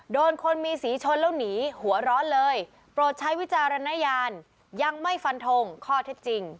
โดนคนมีสีชนแล้วหนีหัวร้อนเลยโปรดใช้วิจารณญาณยังไม่ฟันทงข้อเท็จจริง